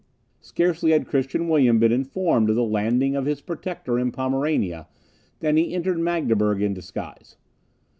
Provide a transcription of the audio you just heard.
Scarcely had Christian William been informed of the landing of his protector in Pomerania, than he entered Magdeburg in disguise.